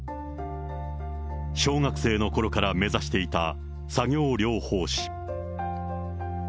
小学生のころから目指していた作業療法士。